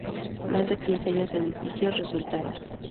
Más de quince años de litigios resultaron.